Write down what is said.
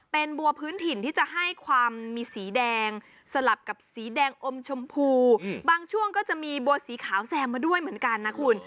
เป็นบัวพื้นถิ่นที่จะให้ความมีสีแดงสลับกับสีแดงอมชมพูบางช่วงก็จะมีบัวสีขาวแซมมาด้วยเหมือนกันนะคุณ